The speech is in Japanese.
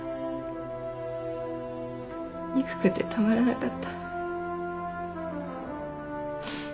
憎くてたまらなかった。